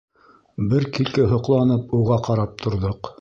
Бер килке һоҡланып уға ҡарап торҙоҡ.